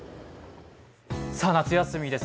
さあ、夏休みです